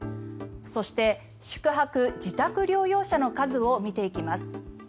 そして宿泊・自宅療養者の数を見ていきます。